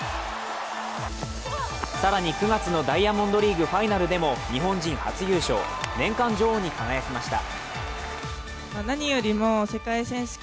更に９月のダイヤモンドリーグファイナルでも日本人初優勝、年間女王に輝きました。